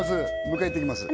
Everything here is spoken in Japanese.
迎え行ってきます